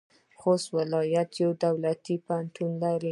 خوست ولایت یو دولتي پوهنتون لري.